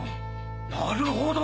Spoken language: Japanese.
なるほど！